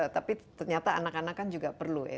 tapi ternyata anak anak kan juga perlu ya